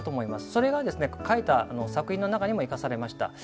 それが書いた作品の中にも生かされました。